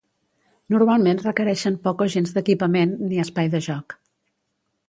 Normalment requereixen poc o gens d'equipament, ni espai de joc.